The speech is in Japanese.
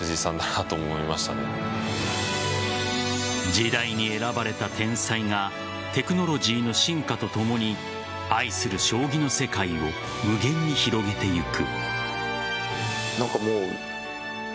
時代に選ばれた天才がテクノロジーの進化とともに愛する将棋の世界を無限に広げていく。